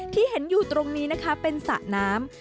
ที่เห็นอยู่ตรงนี้นะคะเป็นสระน้ำ